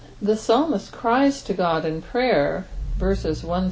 — The psalmist cries to Qod in prayer, verses 1—3.